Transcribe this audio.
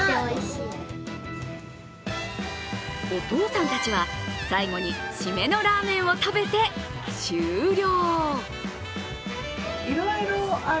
お父さんたちは最後にシメのラーメンを食べて終了。